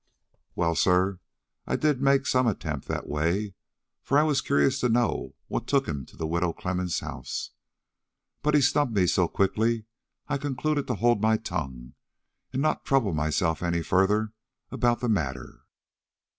"Well, sir, I did make some attempt that way, for I was curious to know what took him to the Widow Clemmens' house, but he snubbed me so quickly, I concluded to hold my tongue and not trouble myself any further about the matter."